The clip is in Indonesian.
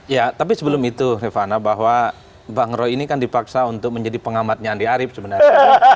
ya tapi sebelum itu rifana bahwa bang roy ini kan dipaksa untuk menjadi pengamatnya andi arief sebenarnya